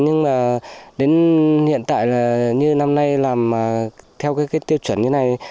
nhưng mà đến hiện tại là như năm nay làm theo cái tiêu chuẩn như này